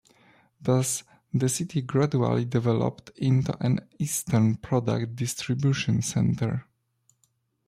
Thus, the city gradually developed into an eastern product distribution centre.